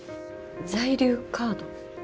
在留カード？